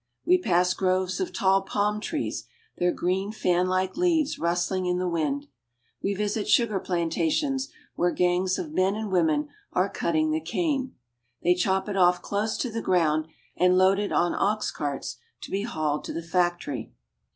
We pass groves of tall palm trees, their green fanlike leaves rustling in the wind. We visit sugar plantations where gangs of men and women are cutting the cane. They chop it off close to the ground, and load it on ox carts to be hauled to the factory.